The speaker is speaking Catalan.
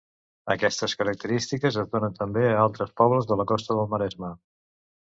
Aquestes característiques es donen també a altres pobles de la costa del Maresme.